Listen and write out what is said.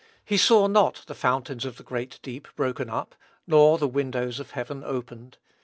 He saw not "the fountains of the great deep broken up," nor "the windows of heaven opened."